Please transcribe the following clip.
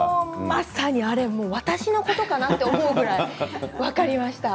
まさに私のことかなというくらい分かりました。